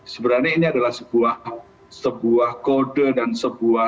sebenarnya ini adalah sebuah kode dan sebuah